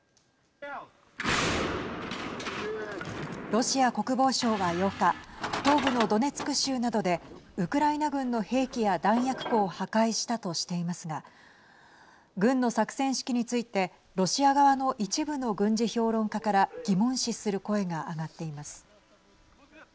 ロシア国防省は、８日東部のドネツク州などでウクライナ軍の兵器や弾薬庫を破壊したとしていますが軍の作戦指揮についてロシア側の一部の軍事評論家から疑問視する声が上がっています。